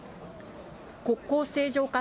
国交正常化